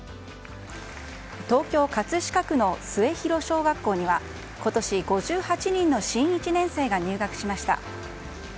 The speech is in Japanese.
東京・葛飾区の末広小学校には今年５８人の新１年生が入学しました。